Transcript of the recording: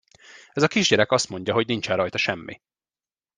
Ez a kisgyerek azt mondja, hogy nincsen rajta semmi!